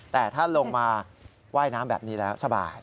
แต่ถ้าลงมาว่ายน้ำแบบนี้แล้วสบาย